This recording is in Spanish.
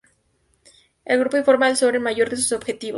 El grupo informa al Soren mayor de sus objetivos.